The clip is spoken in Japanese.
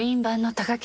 高木。